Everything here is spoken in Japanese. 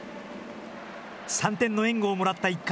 ３点の援護をもらった１回。